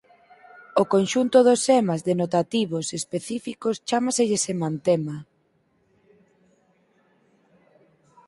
Ó conxunto dos semas denotativos específicos chámaselle semantema.